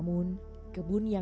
dan mikirnya kan